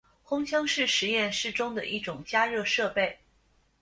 烘箱是实验室中的一种加热设备。